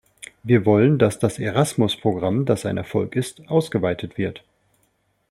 Wir wollen, dass das Erasmus-Programm, das ein Erfolg ist, ausgeweitet wird.